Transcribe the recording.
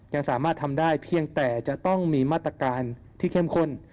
ยังสามารถทำได้เพียงแต่จะต้องมีมาตรการที่เข้มข้น